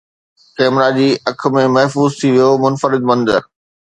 camera جي اک ۾ محفوظ ٿي ويو منفرد منظر